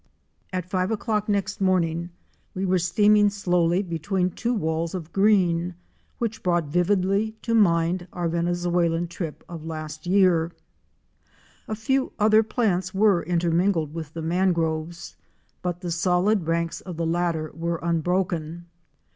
At five o'clock next morning we were steaming slowly between two walls of green which brought vividly to mind our Venezuelan trip of last year. A few other plants were intermingled with the mangroves, but the solid ranks of the 134 STEAMER AND LAUNCH TO HOORIE CREEK. 135 latter were unbroken.